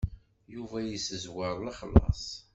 Yuba yessezwer lexlaṣ.